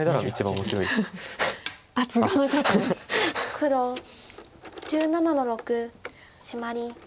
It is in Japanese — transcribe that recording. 黒１７の六シマリ。